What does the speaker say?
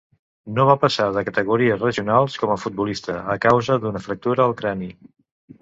No va passar de categories regionals com a futbolista, a causa d'una fractura al crani.